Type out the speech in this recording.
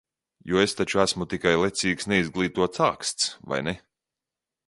Jo es taču esmu tikai lecīgs, neizglītots āksts, vai ne?